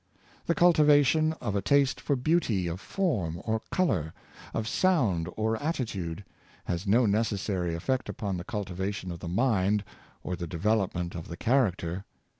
The cul tivation of a taste for beauty of form or color, of sound Art and National Decadence, 541 or attitude, has no necessary effect upon the cultivation of the mind or the development of the character.